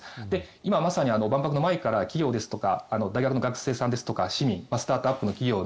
今、まさに万博の前から企業ですとか大学の学生さんですとか市民、スタートアップの企業